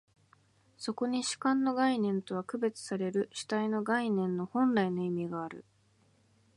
そこに主観の概念とは区別される主体の概念の本来の意味がある。